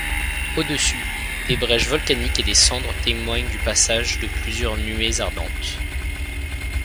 Au-dessus, des brèches volcaniques et des cendres témoignent du passage de plusieurs nuées ardentes.